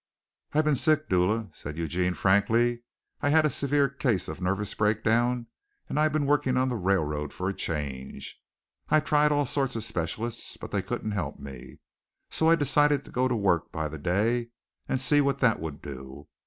"I've been sick, Dula," said Eugene frankly. "I had a severe case of nervous breakdown and I've been working on the railroad for a change. I tried all sorts of specialists, but they couldn't help me. So I decided to go to work by the day and see what that would do.